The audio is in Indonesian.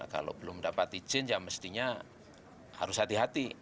kalau belum dapat izin ya mestinya harus hati hati